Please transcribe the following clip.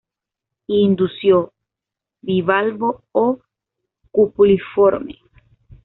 Indusio bivalvo o cupuliforme.